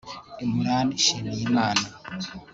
Imran Nshimiyimana